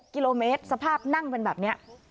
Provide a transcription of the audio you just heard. กิโลเมตรสภาพนั่งเป็นแบบนี้